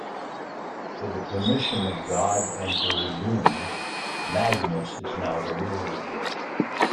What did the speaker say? With the permission of God Emperor Doom, Magnus is now the ruler here.